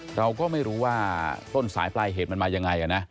เราก็ไม่รู้ว่าต้นสายปลายเหตุมันมายังไงนะ